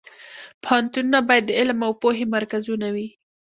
پوهنتونونه باید د علم او پوهې مرکزونه وي